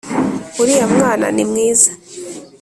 uriya mwana ni mwiza